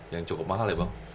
yang cukup mahal ya bang